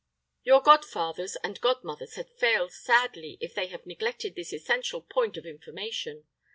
Your godfathers and godmothers have failed sadly if they have neglected this essential point of information.